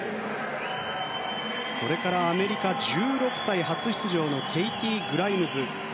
それからアメリカ、１６歳初出場のケイティー・グライムズ。